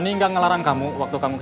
enggak kamu gak terlambat